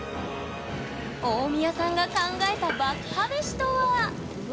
大宮さんが考えた爆破メシとはうわ！